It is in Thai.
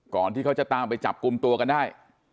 ก่อนที่เขาจะตามไปจับคุมตัวกันได้